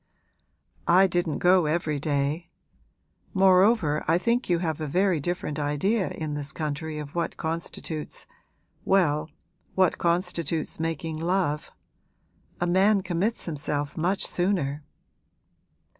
'I didn't go every day. Moreover I think you have a very different idea in this country of what constitutes well, what constitutes making love. A man commits himself much sooner.'